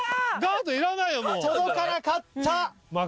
届かなかった！